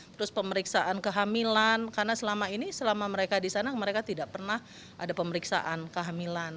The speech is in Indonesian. terus pemeriksaan kehamilan karena selama ini selama mereka di sana mereka tidak pernah ada pemeriksaan kehamilan